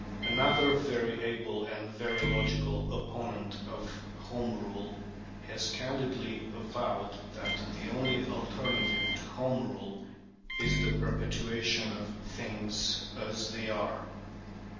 Another very able and very logical opponent of Home Rule has candidly avowed that the only alternative to Home Rule is the perpetuation of "things as they are."